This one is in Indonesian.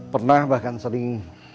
pernah bahkan sering